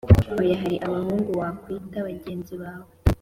oya hari abahungu wa kwita bagenzi bawe